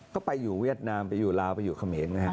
ก็ไปอยู่เวียดนามไปอยู่ลาวไปอยู่เขมรนะฮะ